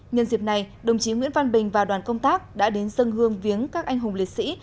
nhân dịp này đồng chí nguyễn văn bình và đoàn công tác đã đến dân hương viếng các anh hùng liệt sĩ